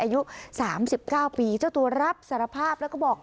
อายุ๓๙ปีเจ้าตัวรับสารภาพแล้วก็บอก